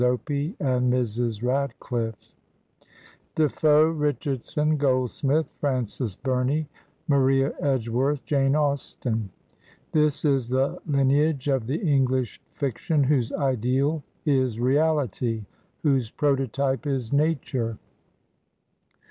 OPIE, AND MRS. RADCLIFFE DE FOE, Richardson, Goldsmith, Frances Bumey, Maria Edgeworth, Jane Austen : this is the Une age of the English fiction whose ideal is reality, whose prototype is nature.